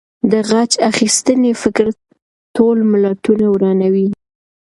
د غچ اخیستنې فکر ټول ملتونه ورانوي.